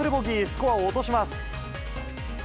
スコアを落とします。